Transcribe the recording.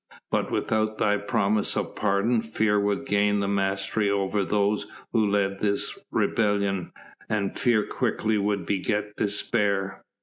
But without thy promise of pardon fear would gain the mastery over those who led this rebellion, and fear quickly would beget despair.